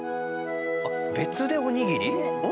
あっ別でおにぎり？